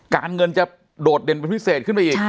การเงินจะโดดเด่นเป็นพิเศษขึ้นไปอีก